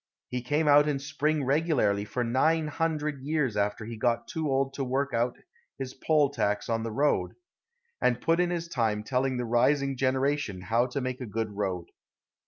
He came out in spring regularly for nine hundred years after he got too old to work out his poll tax on the road, and put in his time telling the rising generation how to make a good road.